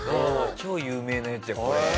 超有名なやつこれ。